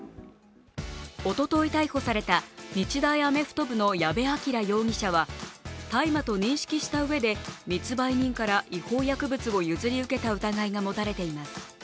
おととい逮捕された日大アメフト部の矢部鑑羅容疑者は大麻と認識したうえで密売人から違法薬物を譲り受けた疑いが持たれています。